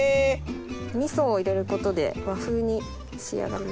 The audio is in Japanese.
味噌を入れることで和風に仕上がります。